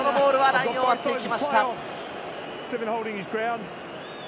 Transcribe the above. ラインを割っていきました。